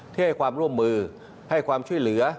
ให้ความร่วมมือให้ความช่วยเหลือ